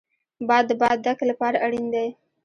باد د بادک لپاره اړین دی